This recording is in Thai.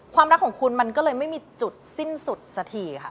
รักของคุณมันก็เลยไม่มีจุดสิ้นสุดสักทีค่ะ